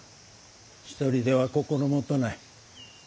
１人では心もとない。